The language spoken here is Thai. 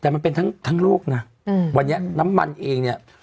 แต่มันเป็นทั้งโลกนะวันนี้น้ำมันเองเนี่ย